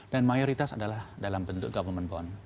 dan mayoritas adalah dalam bentuk government bond